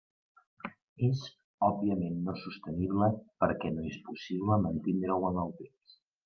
És òbviament no sostenible perquè no és possible mantindre-ho en el temps.